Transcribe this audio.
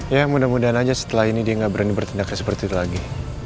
ya mudah mudahan aja setelah ini dia nggak berani bertindaknya seperti itu lagi